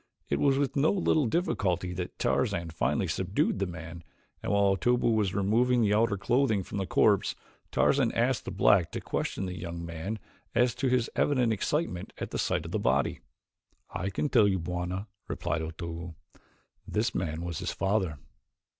It was with no little difficulty that Tarzan finally subdued the man, and while Otobu was removing the outer clothing from the corpse, Tarzan asked the black to question the young man as to his evident excitement at the sight of the body. "I can tell you Bwana," replied Otobu. "This man was his father."